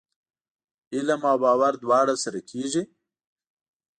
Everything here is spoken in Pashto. علم او باور دواړه سره کېږي ؟